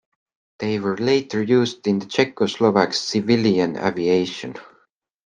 They were later used in the Czechoslovak civilian aviation.